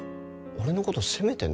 俺のこと責めてんの？